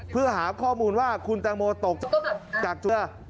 เพื่อหาข้อมูลว่าคุณแตงโมตกจากเจือ